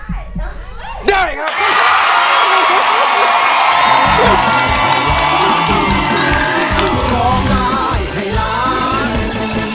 เพลงที่๕นะครับมูลค่า๘๐๐๐๐บาท